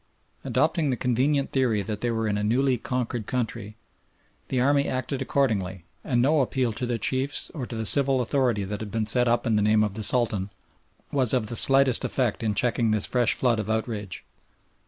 Adopting the convenient theory that they were in a newly conquered country, the army acted accordingly, and no appeal to their chiefs or to the civil authority that had been set up in the name of the Sultan, was of the slightest effect in checking this fresh flood of outrage.